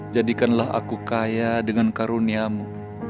jadikanlah aku kaya dengan karuniamu